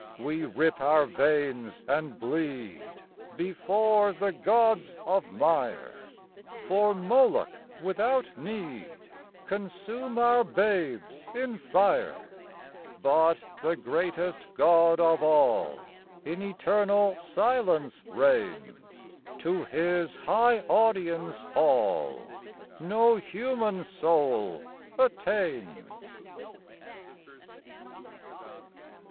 We rip our veins and bleed Before the gods of mire; For Moloch, without need, Consume our babes in fire; But the greatest God of all In eternal silence reigns; To His high audience hall No human soul attains.